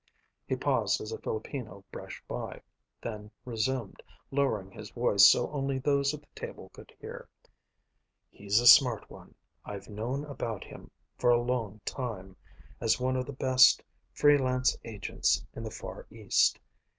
He paused as a Filipino brushed by, then resumed, lowering his voice so only those at the table could hear. "He's a smart one. I've known about him for a long time, as one of the best free lance agents in the Far East.